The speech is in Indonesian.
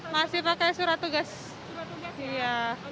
oke itu artinya pasti kita juga surat tugas ya